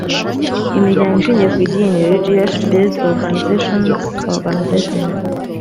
imiryango ishingiye ku idini religious based organisations organisations